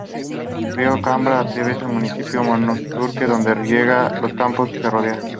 El río Cabra, atraviesa el municipio de Monturque, donde riega los campos que rodean.